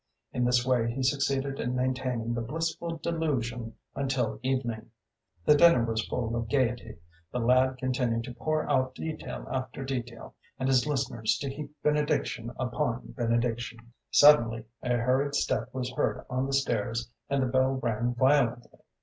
In this way he succeeded in maintaining the blissful delusion until evening. The dinner was full of gayety, the lad continued to pour out detail after detail, and his listeners to heap benediction upon benediction. Suddenly a hurried step was heard on the stairs, and the bell rang violently.